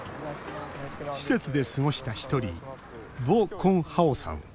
施設で過ごした１人ヴォ・コン・ハオさん。